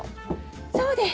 そうです。